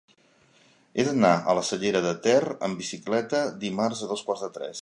He d'anar a la Cellera de Ter amb bicicleta dimarts a dos quarts de tres.